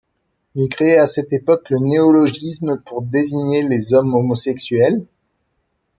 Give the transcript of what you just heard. Il crée à cette époque le néologisme pour désigner les hommes homosexuels.